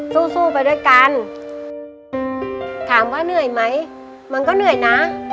สู้สู้ไปด้วยกันถามว่าเหนื่อยไหมมันก็เหนื่อยนะ